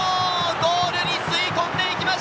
ゴールに吸い込んでいきました！